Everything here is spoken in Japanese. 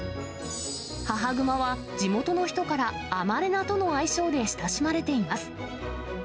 母グマは地元の人からアマレナとの愛称で親しまれています。